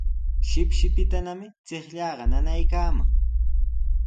Shipshipitanami chiqllaaqa nanaykaaman.